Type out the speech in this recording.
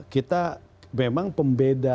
kita memang pembeda